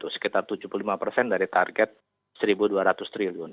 sekitar tujuh puluh lima persen dari target rp satu dua ratus triliun